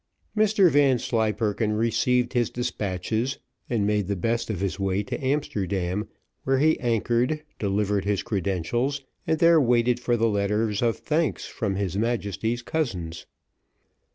Mr Vanslyperken received his despatches, and made the best of his way to Amsterdam, where he anchored, delivered his credentials, and there waited for the letters of thanks from his Majesty's cousins.